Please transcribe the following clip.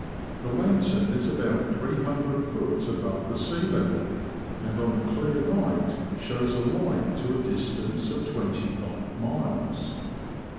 The lantern is about 300ft. above the sea level, and on a clear night shows a light to a distance of twenty five miles.